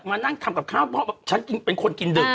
มานั่งทำกับข้าวเพราะฉันเป็นคนกินดึก